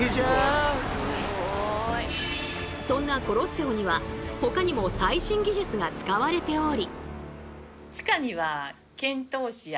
そんなコロッセオにはほかにも最新技術が使われており。